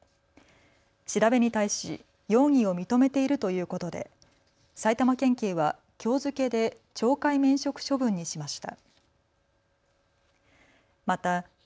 調べに対し容疑を認めているということで埼玉県警はきょう付けで懲戒免職処分にしました。